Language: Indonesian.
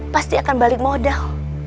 pasti akan balik modal